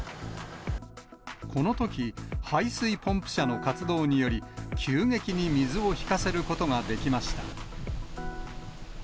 このとき、排水ポンプ車の活動により、急激に水を引かせることができました。